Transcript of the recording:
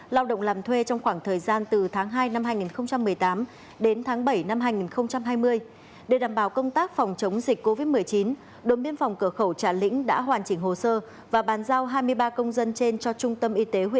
lao động làm thuê trong khoảng thời gian từ tháng hai năm hai nghìn một mươi tám đến tháng bảy năm hai nghìn hai mươi